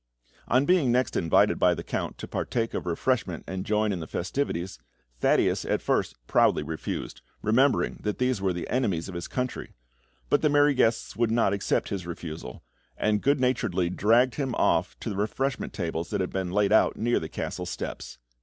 On being next invited by the Count to partake of refreshment and join in the festivities, Thaddeus at first proudly refused, remembering that these were the enemies of his country; but the merry guests would not accept his refusal, and good naturedly dragged him off to the refreshment tables that had been laid out near the castle steps.